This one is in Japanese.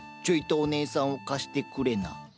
ちょいとお姉さんを貸してくれな。